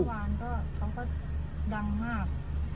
เขาก็ดังมาก